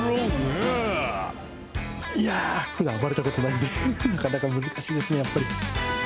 いやー、ふだん、暴れたことないんで、なかなか難しいですね、やっぱり。